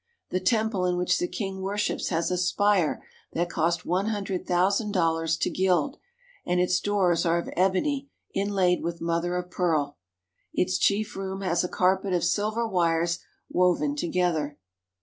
The temple in which the king worships has a spire SINGAPORE AND THE MALAYS 20I that cost one hundred thousand dollars to gild, and its doors are of ebony inlaid with mother of pearl. Its chief room has a carpet of silver wires woven together.